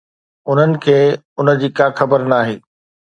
انهن کي ان جي ڪا خبر ناهي؟